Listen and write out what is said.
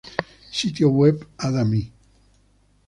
Sitio web Ada Mee